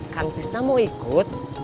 kang fisna mau ikut